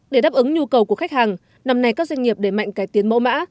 để đáp ứng nhu cầu của khách hàng năm nay các doanh nghiệp để mạnh cải tiến mẫu mã